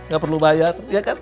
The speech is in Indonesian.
gak perlu bayar